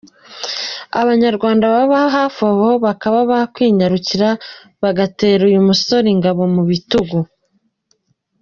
Abanyarwanda baba hafi aho bakaba bakwinyarukira bakirerera uyu musore ingabo mu bitugu.